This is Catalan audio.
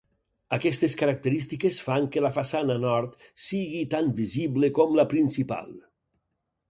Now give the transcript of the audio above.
Aquestes característiques fan que la façana nord sigui tan visible com la principal.